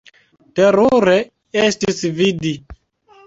Terure estis vidi!